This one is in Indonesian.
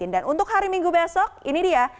dan untuk hari minggu besok ini dia